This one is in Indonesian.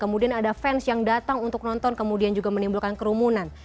kemudian ada fans yang datang untuk nonton kemudian juga menimbulkan kerumunan